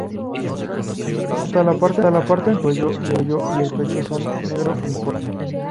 La garganta, la parte anterior del cuello y el pecho son negro uniforme.